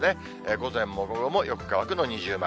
午前も午後もよく乾くの二重丸。